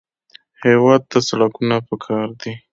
هېواد ته سړکونه پکار دي